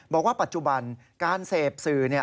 บอกว่าปัจจุบันการเสพสื่อ